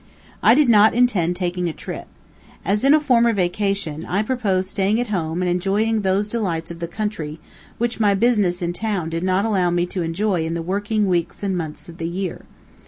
I did not intend taking a trip. As in a former vacation, I proposed staying at home and enjoying those delights of the country which my business in town did not allow me to enjoy in the working weeks and months of the year.